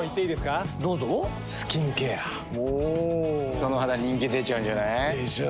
その肌人気出ちゃうんじゃない？でしょう。